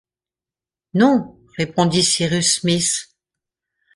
Non, répondit Cyrus Smith